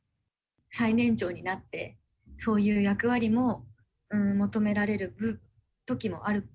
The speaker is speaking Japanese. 最年長になって、そういう役割も求められるときもある。